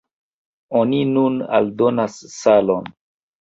Oni nun aldonas salon.